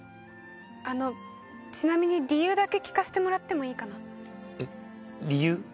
あのちなみに理由だけ聞かせてもらってもいいかなえっ理由？